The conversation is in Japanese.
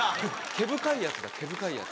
毛深いやつだ毛深いやつ。